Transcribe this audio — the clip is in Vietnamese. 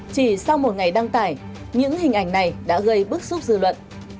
chỉ sau một ngày đăng tải những hình ảnh này đã gây bức xúc dư luận